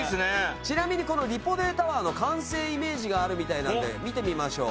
ちなみにこのリポＤタワーの完成イメージがあるみたいなんで見てみましょう。